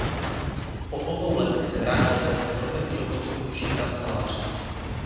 Po obou letech se vrátil ke své profesi do konstrukční kanceláře.